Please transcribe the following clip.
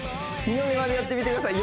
見まねでやってみてください